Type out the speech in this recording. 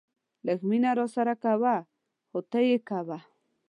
لږ مینه راسره کوه خو تل یې کوه.